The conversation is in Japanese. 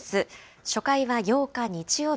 初回は８日日曜日。